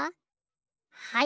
はい。